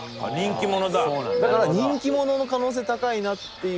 千賀：だから、人気者の可能性高いなっていう。